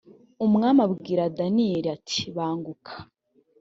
umwami abwira daniyeli ati banguka